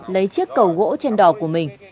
lấy chiếc cầu gỗ trên đò của mình